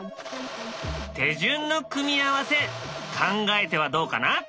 手順の組み合わせ考えてはどうかな？